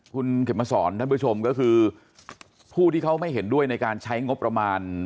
คุณเข็มมาสอนท่านผู้ชมก็คือผู้ที่เขาไม่เห็นด้วยในการใช้งบประมาณ